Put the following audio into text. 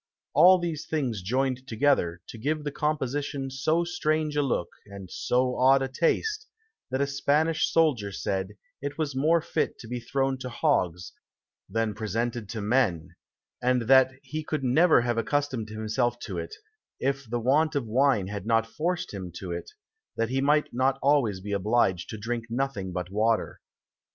All these things joined together, gave to the Composition so strange a Look, and so odd a Taste, that a Spanish Soldier said, it was more fit to be thrown to Hogs, than presented to Men; and that he could never have accustomed himself to it, if the want of Wine had not forced him to it, that he might not always be obliged to drink nothing but Water.